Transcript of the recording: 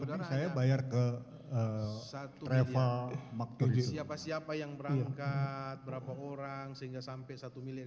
saudara saya bayar ke satu siapa siapa yang berangkat berapa orang sehingga sampai satu miliar